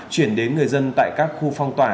chuyển đến người dân tại các khu phong tỏa